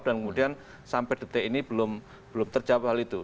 dan kemudian sampai detik ini belum terjawab hal itu